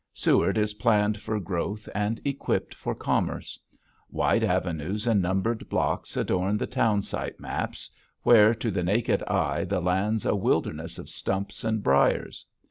Seward is planned for growth and equipped for commerce. Wide avenues and numbered blocks adorn the town site maps where to the naked eye the land's a wilderness of stumps and briars.